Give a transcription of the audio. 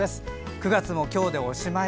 ９月も今日でおしまい。